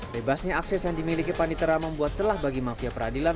bebasnya akses yang dimiliki panitera membuat celah bagi mafia peradilan